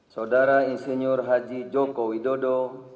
saudara insinyur haji joko widodo